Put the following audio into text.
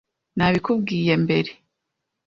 Nabikubwiye mbere.